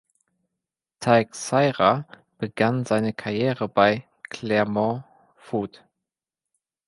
Teixeira begann seine Karriere bei Clermont Foot.